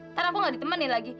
ntar aku gak ditemenin lagi